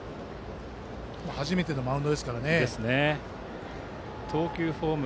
初めてのマウンドですからね。